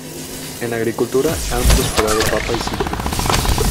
En agricultura han prosperado papa y citrus.